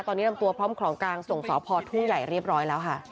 ตอนนี้นำตัวพร้อมของกลางส่งสพทุ่งใหญ่เรียบร้อยแล้วค่ะ